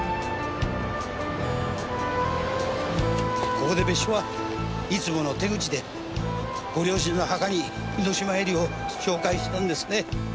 ここで別所はいつもの手口でご両親の墓に簑島絵里を紹介したんですね。